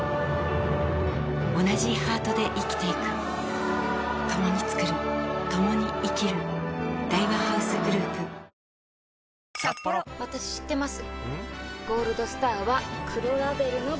おなじハートで生きていく共に創る共に生きる大和ハウスグループ入江陵介選手です。